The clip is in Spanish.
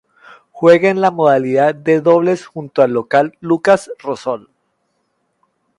Juega en la modalidad de dobles junto al local Lukáš Rosol.